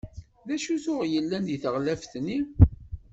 D acu tuɣ yellan deg teɣlaft-nni?